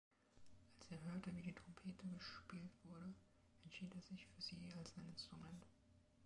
Als er hörte, wie die Trompete gespielt wurde, entschied er sich für sie als sein Instrument.